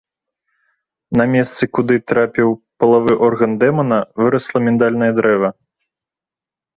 На месцы, куды трапіў палавы орган дэмана вырасла міндальнае дрэва.